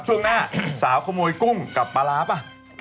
ช่วงหน้าสาวขโมยกุ้งกับปลาร้าป่ะ